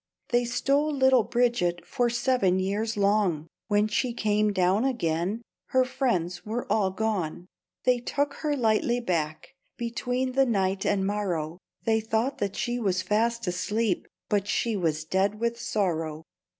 They stole little Bridget For seven years long; When she came down again Her friends were all gone. They took her lightly back, Between the night and morrow, They thought that she was fast asleep, But she was dead with sorrow.